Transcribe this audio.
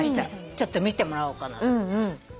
ちょっと見てもらおうかな。